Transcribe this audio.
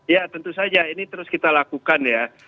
ya tentu saja ini terus kita lakukan ya